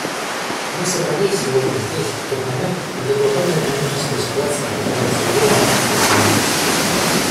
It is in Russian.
Мы собрались сегодня здесь в тот момент, когда глобальная экономическая ситуация вызывает серьезную обеспокоенность.